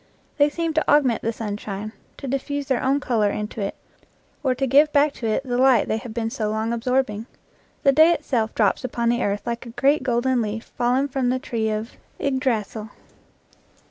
They seem to augment the sunshine, to diffuse their own color into it, or to give back to it the light they have been so long absorbing. The day itself drops upon the earth like a great golden leaf fallen from the tree of Ygdrasyl.